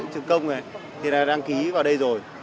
trực công này thì là đăng ký vào đây rồi